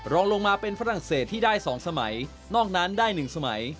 รองลงมาเป็นฝรั่งเศสที่ได้๒สมัยนอกนั้นได้๑สมัย